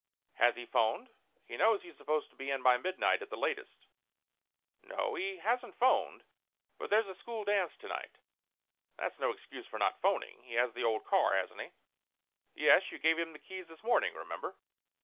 "Has he phoned? He knows he's supposed to be in by midnight at the latest." "No, he hasn't phoned. But there's a school dance tonight." "That's no excuse for not phoning. He has the old car, hasn't he?" "Yes. You gave him the keys this morning, remember?"